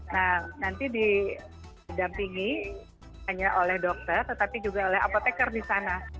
nah nanti didampingi hanya oleh dokter tetapi juga oleh apotekar di sana